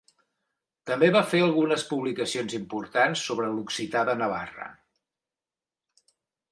També va fer algunes publicacions importants sobre l'occità de Navarra.